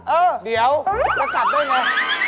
เออเดี๋ยวต้องกลับได้ยังไง